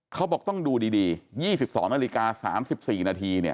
เขาบอกต้องดูดี๒๒นาฬิกา๓๔นาทีเนี่ย